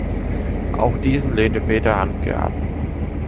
Auch diesen lehnte Peter Handke ab.